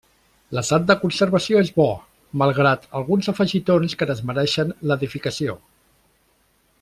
L'estat de conservació és bo malgrat alguns afegitons que desmereixen l'edificació.